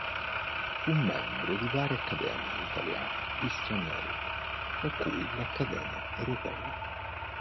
Fu membro di varie accademie italiane e straniere, fra cui l'Accademia Europea.